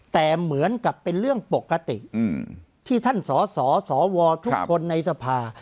แต่เหมือนกับเป็นเรื่องปกติที่ท่านสสวทุกคนในสภา